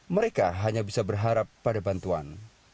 mereka hanya bisa berharap pada bantuan